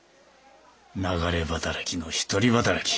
流れ働きの一人働き。